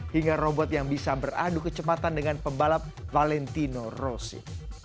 hingga robot yang bisa beradu kecepatan dengan pembalap valentino rossi